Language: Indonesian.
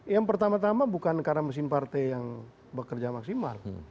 yang pertama tama bukan karena mesin partai yang bekerja maksimal